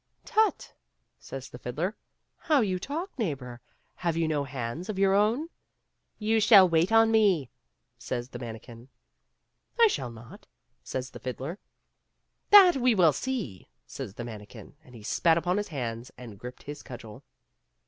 "Tut !" says the fiddler, " how you talk, neighbor; have you no hands of your own ?"" You shall wait on me," says the manikin. " I shall not," says the fiddler. " That we will see," says the manikin, and he spat upon his hands and gripped his cudgel.